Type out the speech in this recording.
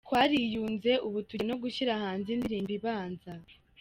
"Twariyunze, ubu tugiye no gushyira hanze indirimbo ibanza.